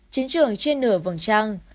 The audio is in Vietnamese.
chính trường chiên nửa vòng trăng